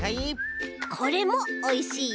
これもおいしいよ。